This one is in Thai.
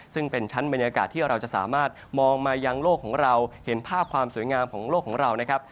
ซึ่งเป็นชั้นบรรยากาศที่เราจะสามารถมองมายังโลกของเราเห็นภาพความสวยงามของโลกของเรานะครับ